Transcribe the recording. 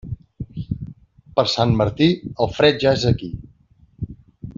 Per Sant Martí, el fred ja és aquí.